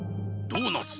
ドーナツ。